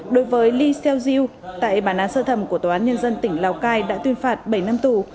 đối với ly xeo diêu tại bản án sơ thẩm của tòa án nhân dân tỉnh lào cai đã tuyên phạt bảy năm tù